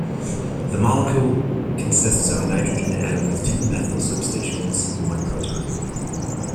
The molecule consists of a nitrogen atom with two methyl substituents and one proton.